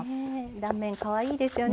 断面かわいいですよね